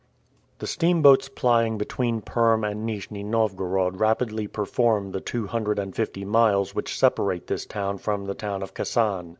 The steamboats plying between Perm and Nijni Novgorod rapidly perform the two hundred and fifty miles which separate this town from the town of Kasan.